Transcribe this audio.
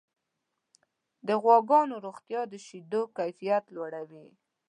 د غواګانو روغتیا د شیدو کیفیت لوړوي.